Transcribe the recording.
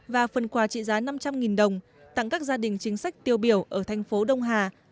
và phần quà trị giá năm trăm linh đồng tặng các gia đình chính sách tiêu biểu ở thành phố đông hà